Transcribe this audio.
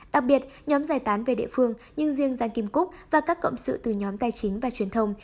đặc biệt nhóm giải tán về địa phương nhưng riêng giang kim cúc và các cộng sự từ nhóm tài chính và truyền thông